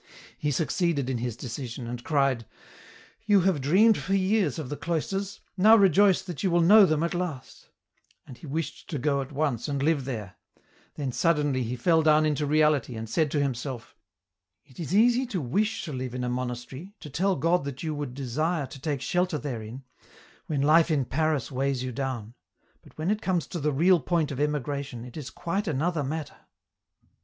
He succeeded in his decision, and cried :" You have dreamed for years of the cloisters, now rejoice that you will know them at last," and he wished to go at once and live there ; then suddenly he fell down into reality, and said to himself :" It is easy to wish to live in a monastery, to tell God that you would desire to take shelter therein, when life in Paris weighs you down, but when it comes to the real point of emigration, it is quite another matter."